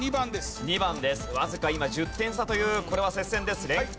わずか今１０点差というこれは接戦です。